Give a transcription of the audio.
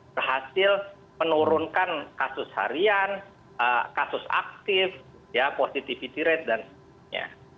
kehasil menurunkan kasus harian kasus aktif ya positivity rate dan lain lain